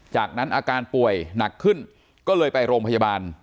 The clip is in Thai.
จากนั้นอาการป่วยหนักขึ้นก็เลยไปโรงพยาบาล